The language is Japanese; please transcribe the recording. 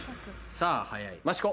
さぁ早い益子。